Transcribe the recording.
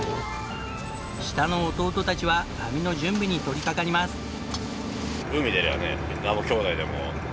下の弟たちは網の準備に取りかかります。